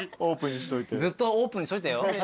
ずっとオープンにしといてよ。